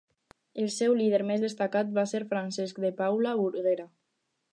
El seu líder més destacat va ser Francesc de Paula Burguera.